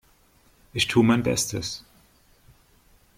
Ich tu mein Bestes.